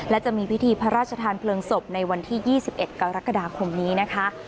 และจะมีพิธีพระราชทานเพลิงศพในวันที่๒๑กรกฎาคมนี้นะคะ